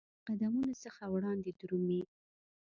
د قدمونو څخه وړاندي درومې